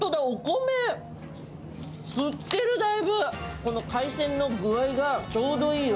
この海鮮の具合がちょうどいいよ。